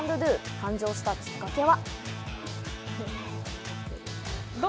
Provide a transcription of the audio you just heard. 誕生したきっかけは。